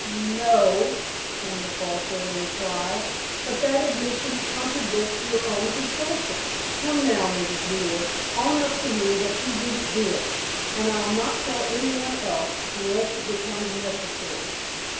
"N—no," came the faltering reply. "But that admission contradicts your own confession. Come now, Mrs. Wheeler, own up to me that you didn't do it, and I'll not tell any one else, unless it becomes necessary."